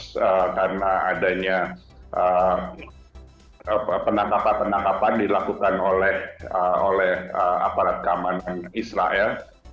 karena adanya penangkapan penangkapan dilakukan oleh aparat keamanan israel